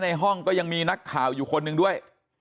ในห้องก็ยังมีนักข่าวอยู่คนหนึ่งด้วย